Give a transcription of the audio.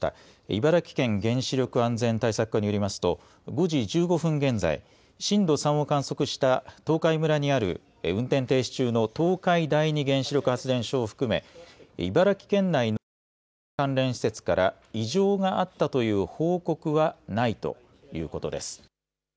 茨城県原子力安全対策課によりますと、５時１５分現在、震度３を観測した東海村にある運転停止中の東海第二原子力発電所を含め、茨城県内の原子力関連施設から異常があったという報告はないということです。